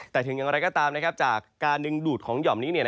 แต่ถึงอย่างไรก็ตามจากการดึงดูดของห่อมนี้